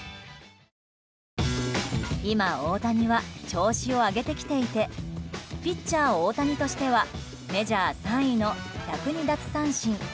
今、大谷は調子を上げてきていてピッチャー大谷としてはメジャー３位の１０２奪三振。